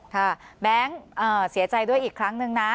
แบงค์เสียใจด้วยอีกครั้งนึงนะ